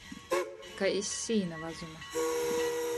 Kai iz sīna vazuma.